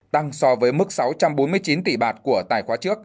tăng so với mức sáu trăm bốn mươi tỷ bạt